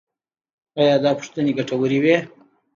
ایا دا پوښتنې ګټورې وې؟